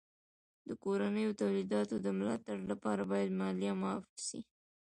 د کورنیو تولیداتو د ملا تړ لپاره باید مالیه معاف سي.